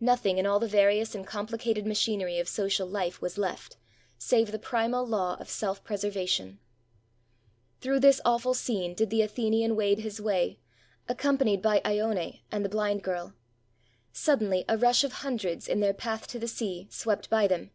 Nothing in all the various and complicated machinery of social life was left save the primal law of self preservation ! Through this awful scene did the Athenian wade his way, accompanied by lone and the blind girl. Sud denly, a rush of hundreds, in their path to the sea, swept by them.